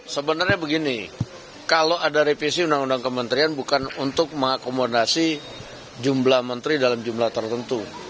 sebenarnya begini kalau ada revisi undang undang kementerian bukan untuk mengakomodasi jumlah menteri dalam jumlah tertentu